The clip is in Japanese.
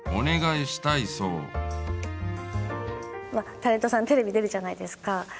タレントさんテレビ出るじゃないですか。